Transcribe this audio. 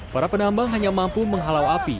para penambang hanya mampu menghalau api